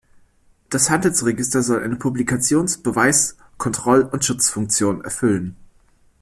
Das Handelsregister soll eine Publikations-, Beweis-, Kontroll- und Schutzfunktion erfüllen.